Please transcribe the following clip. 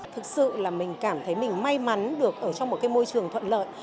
thực sự là mình cảm thấy mình may mắn được ở trong một cái môi trường thuận lợi